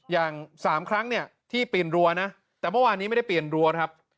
อย่าง๓ครั้งเนี่ยที่ปีนรั้วนะแต่เมื่อวานนี้ไม่ได้เปลี่ยนรั้วครับ